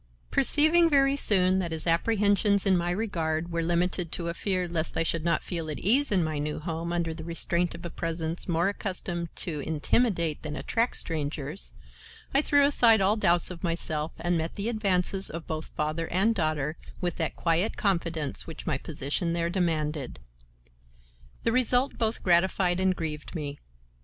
Perceiving very soon that his apprehensions in my regard were limited to a fear lest I should not feel at ease in my new home under the restraint of a presence more accustomed to intimidate than attract strangers, I threw aside all doubts of myself and met the advances of both father and daughter with that quiet confidence which my position there demanded. The result both gratified and grieved me.